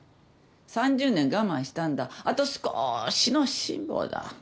３０年我慢したんだあとすこーしの辛抱だ。